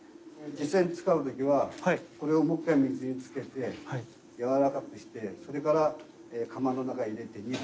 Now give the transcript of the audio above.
実際に使う時はこれをもう一回水につけてやわらかくしてそれから釜の中へ入れて煮る。